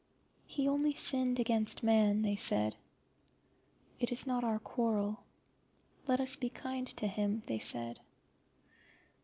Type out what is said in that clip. "He only sinned against Man," they said; "it is not our quarrel." "Let us be kind to him," they said.